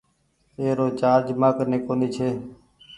ايرو چآرج مآ ڪني ڪونيٚ ڇي۔